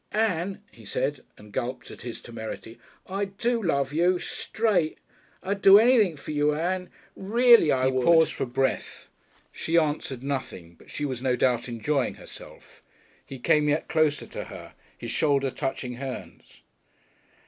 "Ann," he said, and gulped at his temerity, "I do love you. Straight. I'd do anything for you, Ann. Reely I would." He paused for breath. She answered nothing, but she was no doubt enjoying herself. He came yet closer to her his shoulder touched hers.